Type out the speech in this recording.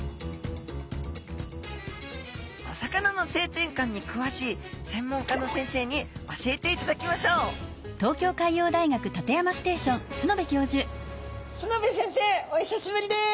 お魚の性転換にくわしい専門家の先生に教えていただきましょう須之部先生お久しぶりです。